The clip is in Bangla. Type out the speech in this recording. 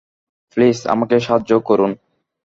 প্লিজ আমাকে সাহায্য করুন।